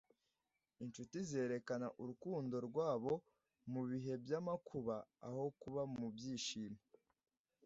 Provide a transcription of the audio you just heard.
“incuti zerekana urukundo rwabo mu bihe by'amakuba, aho kuba mu byishimo.”